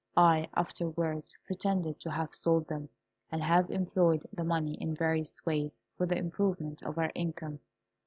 I afterwards pretended to have sold them, and have employed the money in various ways for the improvement of our income.